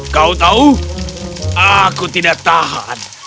kau tahu aku tidak tahan